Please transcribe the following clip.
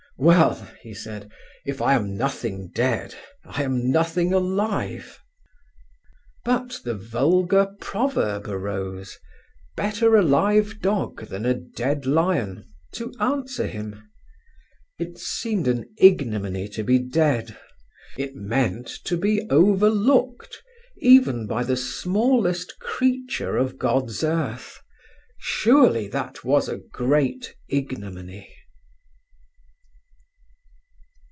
"Well," he said, "if I am nothing dead I am nothing alive." But the vulgar proverb arose—"Better a live dog than a dead lion," to answer him. It seemed an ignominy to be dead. It meant, to be overlooked, even by the smallest creature of God's earth. Surely that was a great ignominy.